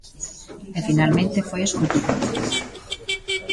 E finalmente foi escollida.